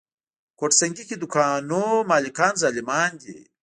ګوته سنګي کې دوکانونو مالکان ظالمان دي.